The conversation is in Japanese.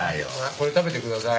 これ食べてください。